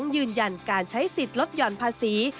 ยืนยันการใช้สิทธิ์ลดหย่อนภาษี